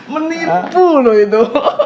menipu loh itu